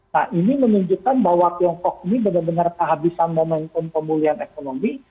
nah ini menunjukkan bahwa tiongkok ini benar benar kehabisan momentum pemulihan ekonomi